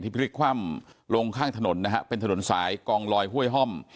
พลิกคว่ำลงข้างถนนนะฮะเป็นถนนสายกองลอยห้วยห้อม